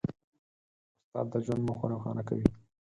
استاد د ژوند موخه روښانه کوي.